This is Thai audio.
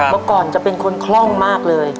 เมื่อก่อนจะเป็นคนคล่องมากเลย